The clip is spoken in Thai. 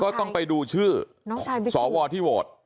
ต้องไปดูชื่อสวที่โหวต